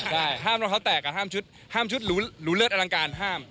ใช่ห้ามลองเท้าแตะห้ามชุดหรูเลิศอลังการห้าม